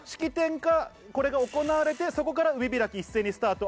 これが行われて、そこから海開き、一斉にスタート。